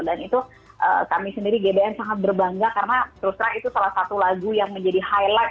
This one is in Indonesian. dan itu kami sendiri gbn sangat berbangga karena terus terang itu salah satu lagu yang menjadi highlight